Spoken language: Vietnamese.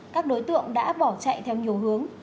các đối tượng đã bỏ chạy theo nhiều hướng